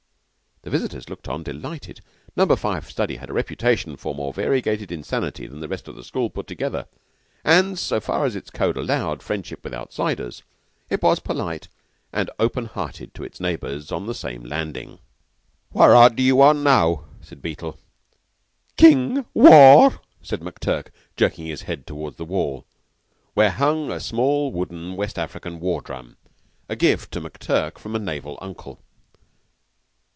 The visitors looked on delighted. Number Five study had a reputation for more variegated insanity than the rest of the school put together; and so far as its code allowed friendship with outsiders it was polite and open hearted to its neighbors on the same landing. "What rot do you want now?" said Beetle. "King! War!" said McTurk, jerking his head toward the wall, where hung a small wooden West African war drum, a gift to McTurk from a naval uncle.